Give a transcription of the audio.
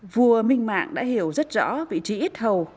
vua minh mạng đã hiểu rất rõ vị trí ít hầu